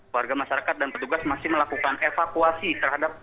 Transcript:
warga masyarakat dan petugas masih melakukan evakuasi terhadap